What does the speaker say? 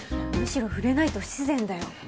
むしろ触れないと不自然だよ。